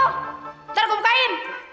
nanti gue bukain